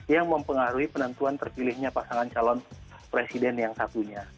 yang mempengaruhi penentuan terpilihnya pasangan calon presiden yang satunya